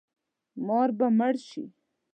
مار به مړ شي